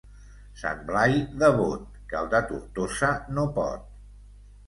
Sant Blai de Bot, que el de Tortosa no pot.